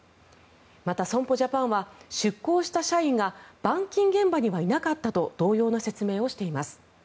また損保ジャパンは出向した社員が板金現場にはいなかったと同様の説明をしています。